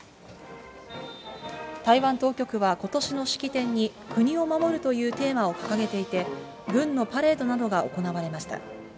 台湾当局は、ことしの式典に国を守るというテーマを掲げていて、軍のパレードなどが行われました。